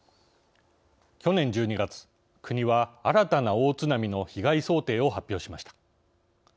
去年１２月、国は新たな大津波の被害想定を発表しました。